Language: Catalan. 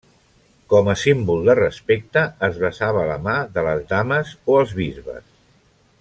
Com a símbol de respecte, es besava la mà de les dames o els bisbes.